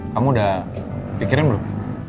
kamu udah pikirin belum